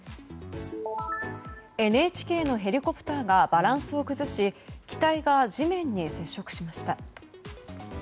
ＮＨＫのヘリコプターがバランスを崩し機体が地面に接触しました。